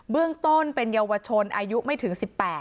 เรื่องต้นเป็นเยาวชนอายุไม่ถึง๑๘